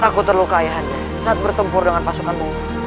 aku terluka ayahnya saat bertempur dengan pasukanmu